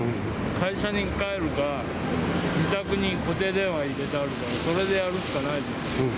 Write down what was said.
会社に帰るか、自宅に固定電話入れてあるから、それでやるしかないです。